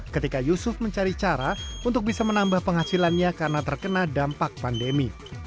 ketika yusuf mencari cara untuk bisa menambah penghasilannya karena terkena dampak pandemi